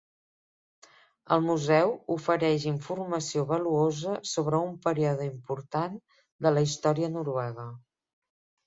El museu ofereix informació valuosa sobre un període important de la història noruega.